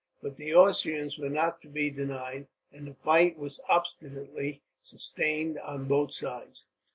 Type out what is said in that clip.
But the Austrians were not to be denied, and the fight was obstinately sustained on both sides.